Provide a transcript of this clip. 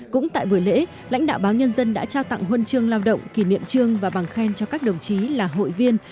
cũng tại buổi lễ lãnh đạo báo nhân dân đã trao tặng huân chương lao động kỷ niệm trương và bằng khen cho các đồng chí là hội viên